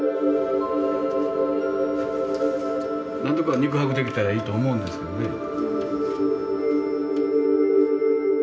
なんとか肉薄できたらいいと思うんですけどね。